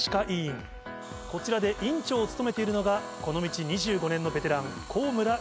こちらで院長を務めているのがこの道２５年のベテラン。